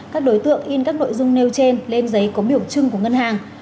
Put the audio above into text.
các đối tượng in các nội dung nêu trên lên giấy có biểu trưng của ngân hàng